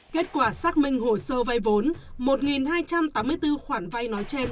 kết quả xác minh hồ sơ vay vốn một hai trăm tám mươi bốn khoản vay nói trên